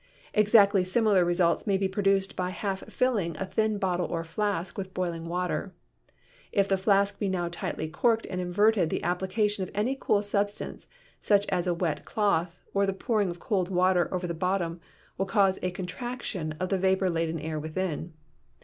Exactly similar results may be produced by half filling a thin bottle or flask with boil ing water. If the flask be now tightly corked and inverted the application of any cool substance, such as a wet cloth or the pouring of cold water over the bottom, will cause a contraction of the vapor laden air within.